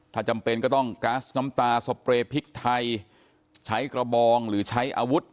ถ้าจำเป็นก็ต้องก๊าซน้ำตาสเปรย์พริกไทยใช้กระบองหรือใช้อาวุธ